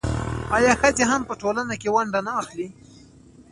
آیا ښځې هم په ټولنه کې ونډه نه اخلي؟